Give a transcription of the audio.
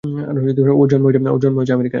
ওর জন্ম হয়েছে আমেরিকায়।